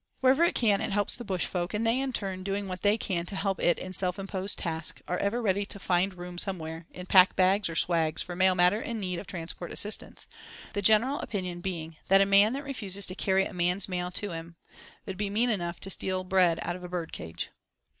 Wherever it can, it helps the bush folk, and they, in turn, doing what they can to help it in self imposed task, are ever ready to "find room somewhere" in pack bags or swags for mail matter in need of transport assistance—the general opinion being that "a man that refuses to carry a man's mail to him 'ud be mean enough to steal bread out of a bird cage."